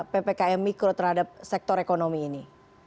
ppkm mikro terhadap sektor ekonomi ini